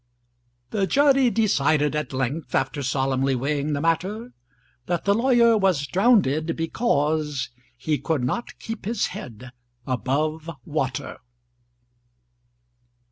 The jury decided at length, After solemnly weighing the matter, That the lawyer was drownded, because He could not keep his head above water!